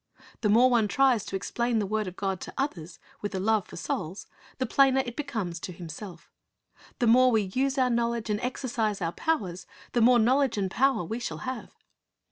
The more one tries to explain the word of God to others, with a love for souls, the plainer it becomes to himself The more we use our knowledge and exercise our powers, the more knowledge and power we shall have.